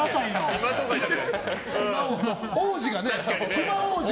暇王子がね。